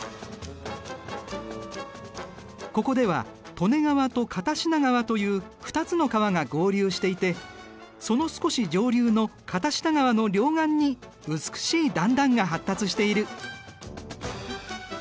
ここでは利根川と片品川という２つの川が合流していてその少し上流の片品川の両岸に美しい段々が発達している。